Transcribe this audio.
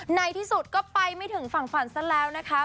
ในที่สุดก็ไปไม่ถึงฝั่งฝันซะแล้วนะคะ